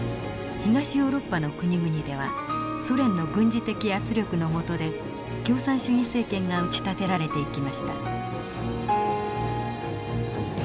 東ヨーロッパの国々ではソ連の軍事的圧力の下で共産主義政権が打ち立てられていきました。